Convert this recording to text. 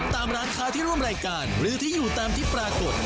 ตามร้านค้าที่ร่วมรายการหรือที่อยู่ตามที่ปรากฏ